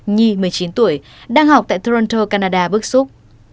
nhi một mươi chín tuổi đang học tại toronto canada bức xúc